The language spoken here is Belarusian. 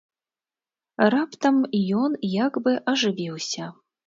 Раптам ён як бы ажывіўся.